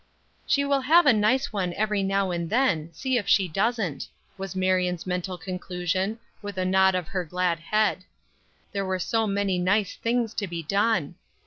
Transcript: "She shall have a nice one every now and then, see if she doesn't," was Marion's mental conclusion, with a nod of her glad head; there were so many nice things to be done!